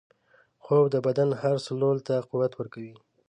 خوب د بدن هر سلول ته قوت ورکوي